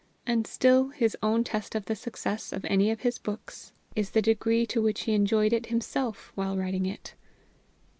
And still his own test of the success of any of his books is the degree to which he enjoyed it himself while writing it.